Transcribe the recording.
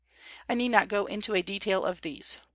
I need not go into a detail of these.